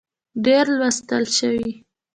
ډېر لوستل شوي